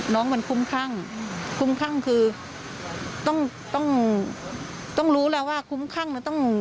น้องมันคุ้มครั่งคุ้มครั่งคือต้องต้องรู้แล้วว่าคุ้มครั่งมันต้อง